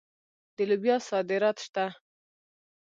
د لوبیا صادرات شته.